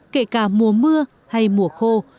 kể cả mùa mưa hay mùa khô